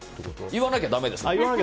言わないとだめです。